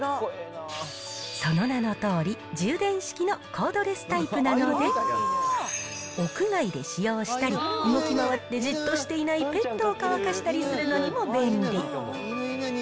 その名のとおり、充電式のコードレスタイプなので、屋外で使用したり、動き回ってじっとしていないペットを乾かしたりするのにも便利。